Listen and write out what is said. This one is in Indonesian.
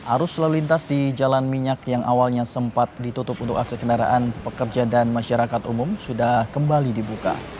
arus lalu lintas di jalan minyak yang awalnya sempat ditutup untuk ac kendaraan pekerja dan masyarakat umum sudah kembali dibuka